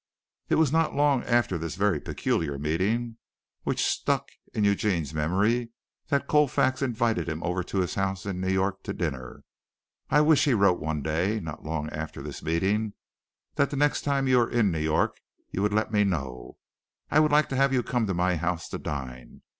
It was not long after this very peculiar meeting which stuck in Eugene's memory that Colfax invited him over to his house in New York to dinner. "I wish," he wrote one day not long after this meeting, "that the next time you are in New York you would let me know. I would like to have you come to my house to dine.